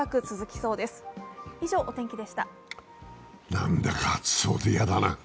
なんだか暑そうで嫌だな。